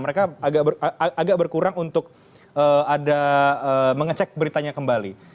mereka agak berkurang untuk ada mengecek beritanya kembali